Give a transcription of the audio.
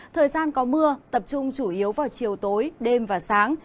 thời gian có mưa tập trung chủ yếu vào chiều tối đêm và sáng